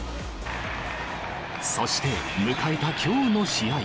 そして迎えたきょうの試合。